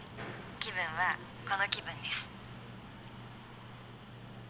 気分はこの気分です